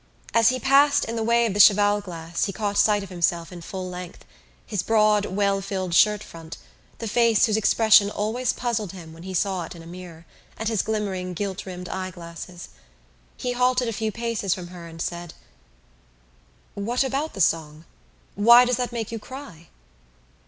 As he passed in the way of the cheval glass he caught sight of himself in full length, his broad, well filled shirt front, the face whose expression always puzzled him when he saw it in a mirror and his glimmering gilt rimmed eyeglasses. He halted a few paces from her and said: "What about the song? Why does that make you cry?"